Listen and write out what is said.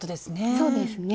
そうですね。